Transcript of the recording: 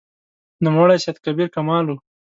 نوموړی سید کبیر کمال و.